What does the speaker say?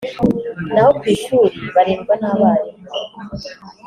na ho ku ishuri barindwa n’abarimu